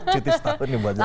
cuti setahun nih buat jalan